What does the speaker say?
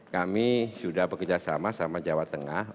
kami sudah bekerjasama sama jawa tengah